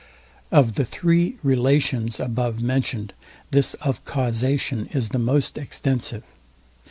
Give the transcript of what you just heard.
Of the three relations above mentioned this of causation is the most extensive.